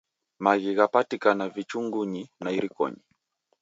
Magi ghapatikana vichungunyi na irikonyi.